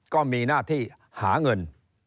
ก็มีหน้าที่หาเงิน